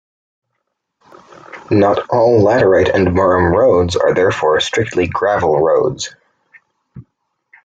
Not all laterite and murram roads are therefore strictly gravel roads.